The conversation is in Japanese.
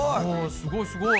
すごいすごい。